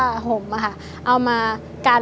ทั้งในเรื่องของการทำงานเคยทำนานแล้วเกิดปัญหาน้อย